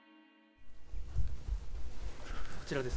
こちらです。